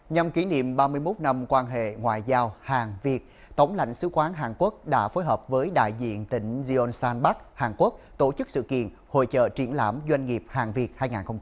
nhằm kỷ niệm ba mươi một năm quan hệ ngoại giao hàng việt tổng lãnh sứ quán hàn quốc đã phối hợp với đại diện tỉnh jeonsan bắc hàn quốc tổ chức sự kiện hội trợ triển lãm doanh nghiệp hàng việt hai nghìn hai mươi bốn